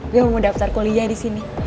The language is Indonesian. gue mau daftar kuliah disini